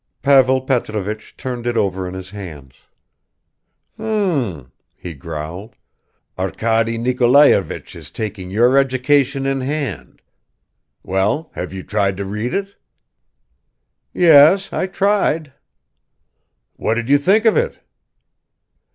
Pavel Petrovich turned it over in his hands. "Hm!" he growled, "Arkady Nikolayevich is taking your education in hand. Well, have you tried to read it?" "Yes, I tried." "What did you think of it?"